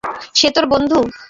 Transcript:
সে তোর বন্ধু?